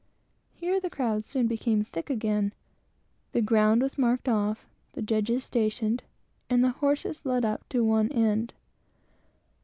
Here the crowd soon became thick again; the ground was marked off; the judges stationed; and the horses led up to one end.